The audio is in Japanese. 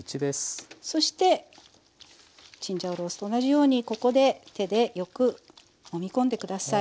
そしてチンジャオロースーと同じようにここで手でよくもみ込んで下さい。